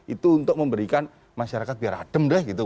itu untuk memberikan masyarakat biar adem